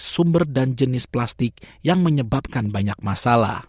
sumber dan jenis plastik yang menyebabkan banyak masalah